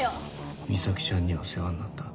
ミサキちゃんには世話になった。